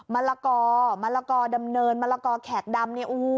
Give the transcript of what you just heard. มะลากอมะลากอดำเนินมะลากอแขกดำ